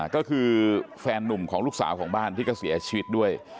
ก็คือแฟนนุ่มของลูกสาวของบ้านที่ก็เสียชีวิตด้วย